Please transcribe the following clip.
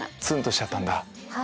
ツンとしちゃったんだ。